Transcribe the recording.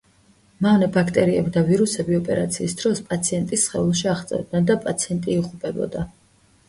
მავნე ბაქტერიები და ვირუსები ოპერაციის დროს პაციენტის სხეულში აღწევდნენ და პაციენტი იღუპებოდა.